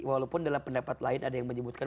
walaupun dalam pendapat lain ada yang menyebutkan